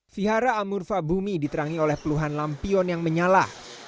fihara amurfa bumi diterangi oleh peluhan lampion yang menyala